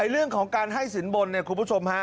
เรื่องของการให้ศิลป์บ่นคุณผู้ชม